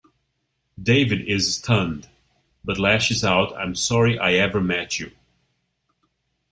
David is stunned, but lashes out I'm sorry I ever met you.